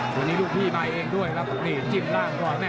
วันนี้ลูกพี่มาเองด้วยครับนี่จิ้มล่างก่อน